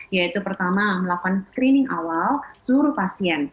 yaitu pertama melakukan screening awal seluruh pasien